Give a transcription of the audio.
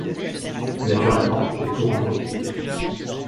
Naturellement, j'ai tout renvoyé.